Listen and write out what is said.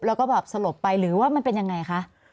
แล้วก็สลบไปหรือว่ามันเป็นอย่างไรคะ